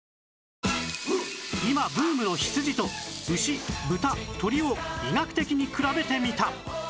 今ブームの羊と牛豚鶏を医学的に比べてみた